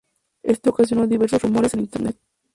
Esto ocasionó diversos rumores en internet.